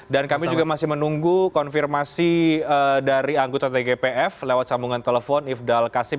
dan kami juga masih menunggu konfirmasi dari anggota tgpf lewat sambungan telepon ifdal kasim